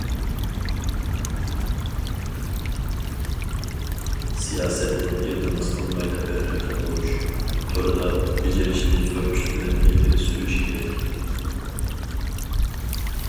سىياسەتتىن« ئىلتىماس قىلمايلا بەھرىمەن بولۇش»، توردا بېجىرىشنى زور كۈچ بىلەن ئىلگىرى سۈرۈش كېرەك.